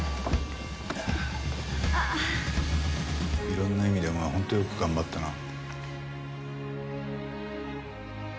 いろんな意味でお前は本当よく頑張ったな。